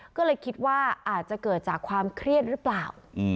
ก็เลยคิดว่าอาจจะเกิดจากความเครียดหรือเปล่า